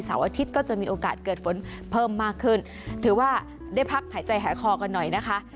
อาทิตย์ก็จะมีโอกาสเกิดฝนเพิ่มมากขึ้นถือว่าได้พักหายใจหายคอกันหน่อยนะคะ